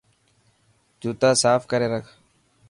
جوتا صاف ڪري رک.